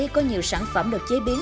có nhiều sản phẩm được chế biến